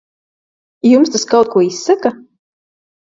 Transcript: Jums tas kaut ko izsaka?